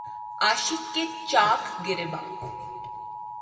عاشق کے چاک گریباں